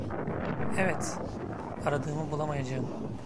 Evet, aradığımı bulamayacağım.